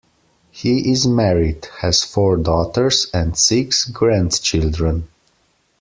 He is married, has four daughters, and six grandchildren.